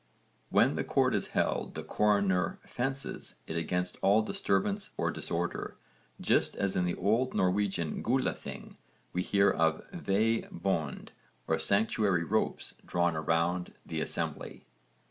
When the court is held the coroner 'fences' it against all disturbance or disorder, just as in the old Norwegian Gulathing we hear of vé bönd or sanctuary ropes drawn around the assembly.